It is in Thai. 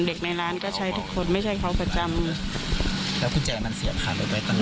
ในร้านก็ใช้ทุกคนไม่ใช่เขาประจำแล้วกุญแจมันเสียขาดรถไว้ตลอด